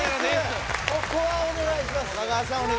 ここはお願いしますね